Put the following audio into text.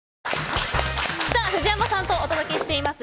ＪＴ藤山さんとお届けしています